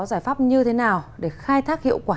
giải pháp như thế nào để khai thác hiệu quả